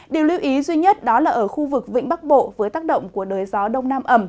điều lưu ý duy nhất đó là ở khu vực vĩnh bắc bộ với tác động của đới gió đông nam ẩm